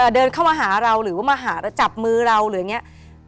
เดินเข้ามาหาเราหรือว่ามาหาแล้วจับมือเราหรืออย่างนี้